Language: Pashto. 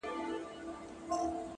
په عزت په شرافت باندي پوهېږي ـ